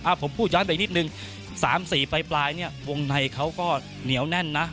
ผมพูดย้อนไปนิดนึง๓๔ปลายเนี่ยวงในเขาก็เหนียวแน่นนะ